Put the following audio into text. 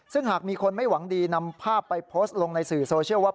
ซึ่งหากมีคนไม่หวังดีนำภาพไปโพสต์ลงในสื่อโซเชียลว่า